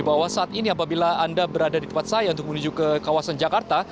bahwa saat ini apabila anda berada di tempat saya untuk menuju ke kawasan jakarta